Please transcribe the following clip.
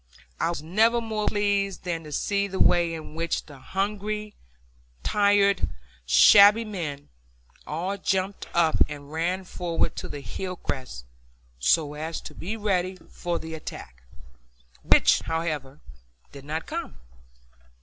I was never more pleased than to see the way in which the hungry, tired, shabby men all jumped up and ran forward to the hill crest, so as to be ready for the attack; which, however, did not come.